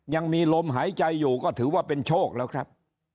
ยังมีลมหายใจอยู่ก็ถือว่าเป็นโชคแล้วครับ